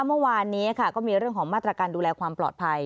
เมื่อวานนี้ค่ะก็มีเรื่องของมาตรการดูแลความปลอดภัย